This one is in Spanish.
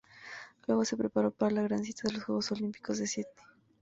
Luego se preparó para la gran cita de los Juegos Olímpicos de Sídney.